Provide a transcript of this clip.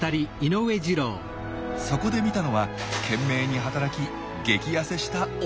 そこで見たのは懸命に働き激ヤセした親鳥の姿。